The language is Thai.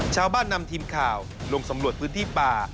ชาวบ้านนำทีมข่าวลงสำรวจพื้นที่ป่า